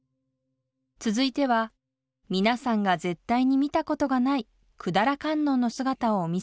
続いては皆さんが絶対に見たことがない百済観音の姿をお見せしましょう。